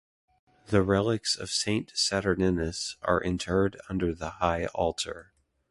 The relics of Saint Saturninus are interred under the high altar.